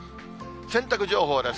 洗濯情報です。